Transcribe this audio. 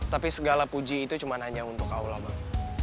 tapi segala puji itu cuma hanya untuk allah bang